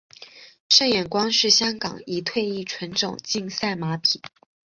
胜眼光是香港已退役纯种竞赛马匹。